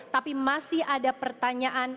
tapi masih ada pertanyaan